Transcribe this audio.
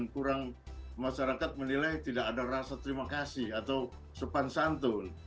kurang masyarakat menilai tidak ada rasa terima kasih atau sopan santun